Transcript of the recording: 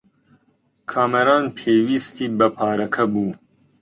کامەران پێویستیی بە پارەکە بوو.